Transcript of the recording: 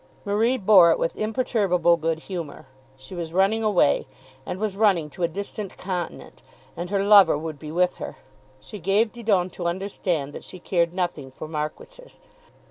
Marie bore it with imperturbable good humour. She was running away, and was running to a distant continent, and her lover would be with her! She gave Didon to understand that she cared nothing for marquises.